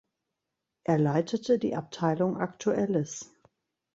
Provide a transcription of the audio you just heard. Er leitete die Abteilung "Aktuelles".